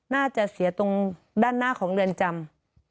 น่าจะเสียตรงด้านหน้าของเรือนจำ